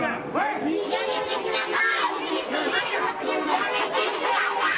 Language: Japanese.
やめてください。